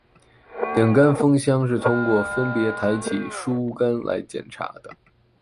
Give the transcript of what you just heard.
顶杆蜂箱是通过分别抬起梳杆来检查的。